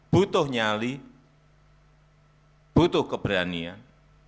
butuh nyali butuh keberanian